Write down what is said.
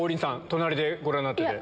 隣でご覧になって。